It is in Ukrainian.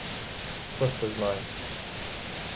Хто ж те знає?